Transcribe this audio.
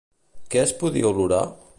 Què es podia olorar?